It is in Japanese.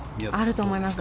あると思います。